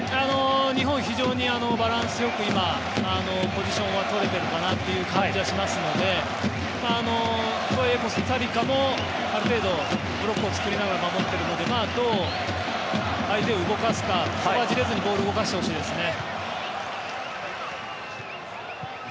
日本、非常にバランスよく今、ポジションは取れているかなという感じはしますのでコスタリカもある程度ブロックを作りながら守っているのでどう相手を動かすかそこはじれずにボールを動かしてほしいですね。